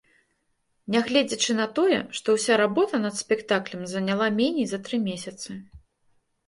Нягледзячы на тое, што ўся работа над спектаклем заняла меней за тры месяцы.